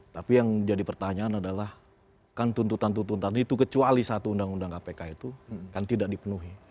tapi yang jadi pertanyaan adalah kan tuntutan tuntutan itu kecuali satu undang undang kpk itu kan tidak dipenuhi